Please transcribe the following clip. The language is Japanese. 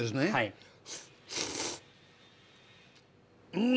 うん！